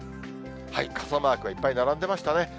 傘マークがいっぱい並んでましたね。